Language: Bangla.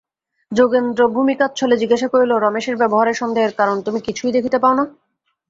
যোগেন্দ্র ভূমিকাচ্ছলে জিজ্ঞাসা করিল, রমেশের ব্যবহারে সন্দেহের কারণ তুমি কিছুই দেখিতে পাও না?